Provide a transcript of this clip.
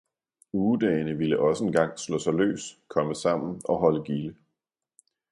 Ugedagene ville også engang slå sig løs, komme sammen og holde gilde.